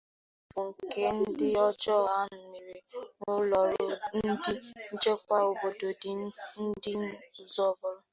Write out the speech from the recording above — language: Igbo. Mwakpò ahụ bụ nke ndị ọjọọ a mere n'ụlọọrụ ndị nchekwa obodo dị n'Ọzụbụlụ